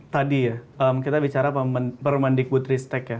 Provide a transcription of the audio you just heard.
tadi ya kita bicara permendikbutristek ya